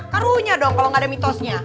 karunya dong kalau gak ada mitosnya